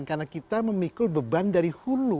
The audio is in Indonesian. karena kita memikul beban dari hulu